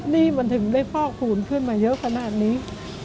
นี่มันถึงได้พอกคูณขึ้นมาเยอะขนาดนี้